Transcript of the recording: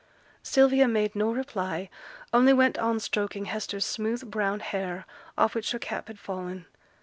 Sylvia made no reply, only went on stroking Hester's smooth brown hair, off which her cap had fallen.